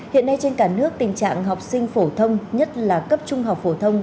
hiện nay trên cả nước tình trạng học sinh phổ thông nhất là cấp trung học phổ thông